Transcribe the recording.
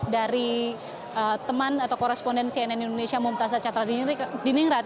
dari teman atau koresponden cnn indonesia mumtazat catra diningrat